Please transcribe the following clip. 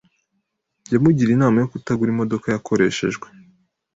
Yamugiriye inama yo kutagura imodoka yakoreshejwe